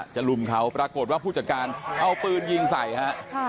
ลุมเขาปรากฏว่าผู้จัดการเอาปืนยิงใส่ฮะ